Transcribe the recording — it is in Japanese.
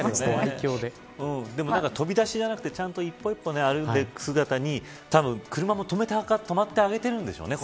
でも、飛び出しじゃなくてちゃんと一歩一歩歩いていく姿にたぶん車も止まってあげてるんでしょうね。